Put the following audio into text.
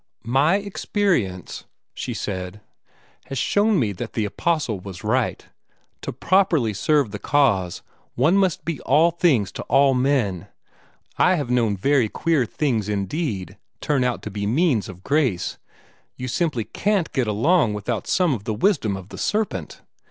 "My experience," she said, "has shown me that the Apostle was right. To properly serve the cause, one must be all things to all men. I have known very queer things indeed turn out to be means of grace. You simply CAN'T get along without some of the wisdom of the serpent.